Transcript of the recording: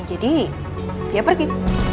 jadi dia pergi